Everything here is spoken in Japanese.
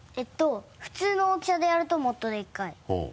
普通の大きさでやるともっとでかい。